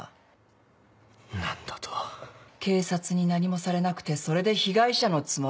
「警察に何もされなくてそれで被害者のつもり？